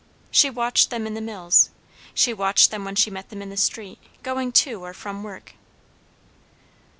She watched them in the mills, she watched them when she met them in the street, going to or from work.